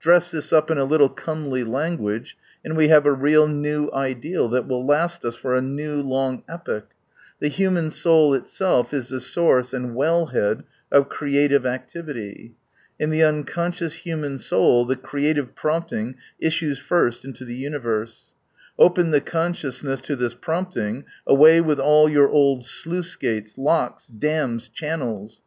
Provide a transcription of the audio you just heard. Dress this up in a little comely language, and we have a real new ideal, that will, last us for a new, long epoch. The human soul itself is the source and well head of creative activity. In the unconscious human soul the creative prompting issues first into the universe. Open the consciousness to this prompting, awny with all your old sluice gates, locks, dams, channels.